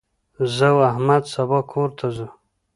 زه او احمد سبا کور ته ځو.